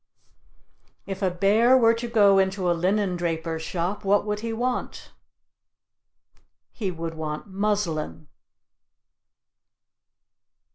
If a bear were to go into a linen draper's shop, what would he want? He would want muzzlin'.